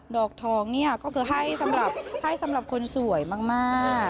ดอกทองเนี่ยก็คือให้สำหรับคนสวยมาก